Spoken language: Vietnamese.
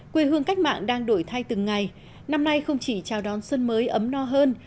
quê hương cách mạng đang đổi thay từng ngày năm nay không chỉ chào đón xuân mới ấm no hơn